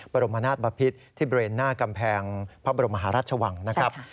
บรมนาศบพิษที่บริเวณหน้ากำแพงพระบรมหาราชวังนะครับ